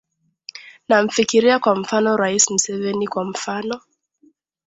namfikiria kwa mfano rais museveni kwa mfano